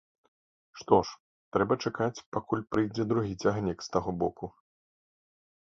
Што ж, трэба чакаць, пакуль прыйдзе другі цягнік з таго боку.